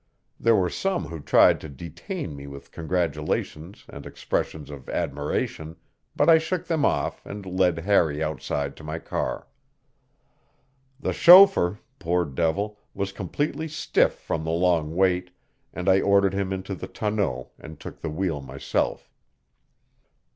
There were some who tried to detain me with congratulations and expressions of admiration, but I shook them off and led Harry outside to my car. The chauffeur, poor devil, was completely stiff from the long wait, and I ordered him into the tonneau and took the wheel myself.